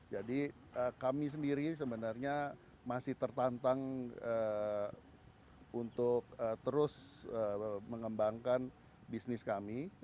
jadi kami sendiri sebenarnya masih tertantang untuk terus mengembangkan bisnis kami